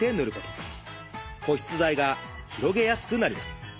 保湿剤が広げやすくなります。